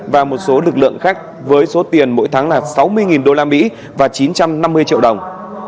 và một số lực lượng khác với số tiền mỗi tháng là sáu mươi usd và chín trăm năm mươi triệu đồng